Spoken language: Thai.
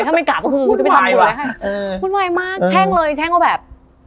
ถ้าไม่กลับก็คือจะไปทำบุญให้มุ่นวายมากแช่งเลยแช่งว่าแบบ